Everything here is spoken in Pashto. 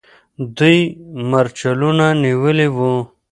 دوی مرچلونه نیولي وو.